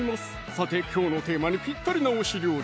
さてきょうのテーマにぴったりな推し料理